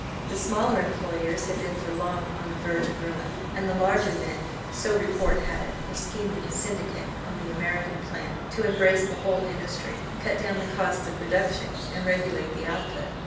The smaller employers had been for long on the verge of ruin; and the larger men, so report had it, were scheming a syndicate on the American plan to embrace the whole industry, cut down the costs of production, and regulate the output.